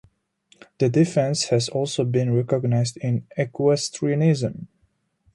The defence has also been recognised in equestrianism.